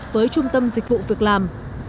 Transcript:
với trung tâm dịch vụ việc làm